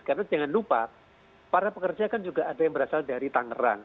karena jangan lupa para pekerja kan juga ada yang berasal dari tangerang